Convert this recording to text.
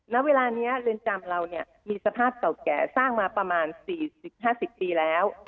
ณเวลานี้เรือนจำเราเนี่ยมีสภาพเก่าแก่สร้างมาประมาณ๔๐๕๐ปีแล้ว